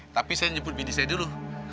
tapi saya nyebut biddi saya dulu